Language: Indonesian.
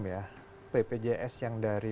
ya bpjs yang dari